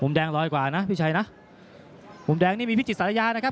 แดงรอยกว่านะพี่ชัยนะมุมแดงนี่มีพิจิตสารยานะครับ